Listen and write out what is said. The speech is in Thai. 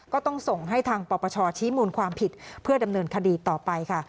ก็ต้องส่งให้ทางปปชชี้มูลความผิดเพื่อดำเนินคดีต่อไปค่ะ